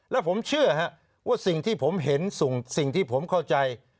แล้วผมเชื่อว่าสิ่งที่ผมเห็นสิ่งที่ผมเข้าใจ